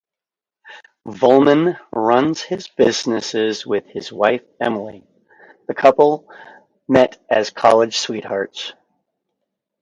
Volman runs his businesses with his wife Emily; the couple met as college sweethearts.